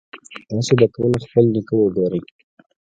تاسو به کله خپل نیکه وګورئ